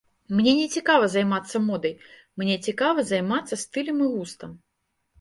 Мне не цікава займацца модай, мне цікава займацца стылем і густам.